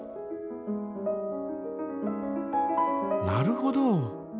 なるほど。